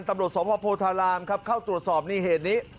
ตำรวจสมภาพโพธารามครับเข้าตรวจสอบนี่เหตุนี้